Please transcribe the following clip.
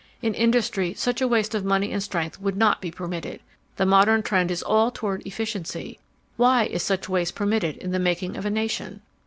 In industry such a waste of money and strength would not be permitted. The modern trend is all toward efficiency. Why is such waste permitted in the making of a nation?